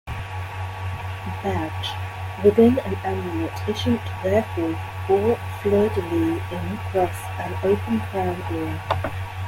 Badge: Within an annulet issuant therefrom four fleurs-de-lys in cross an open crown or.